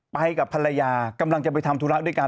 ไปกับภรรยากำลังจะไปทำธุระด้วยกัน